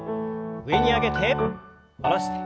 上に上げて下ろして。